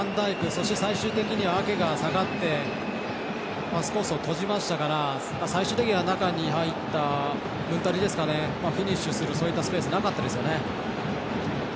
そして最終的にはアケが下がってパスコースを閉じましたから最終的には中に入ったムンタリですかねフィニッシュするそういったスペースがなかったですよね。